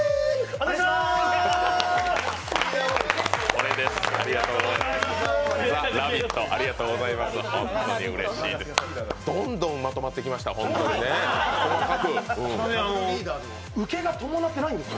これです。